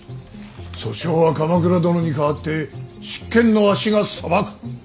訴訟は鎌倉殿に代わって執権のわしが裁く。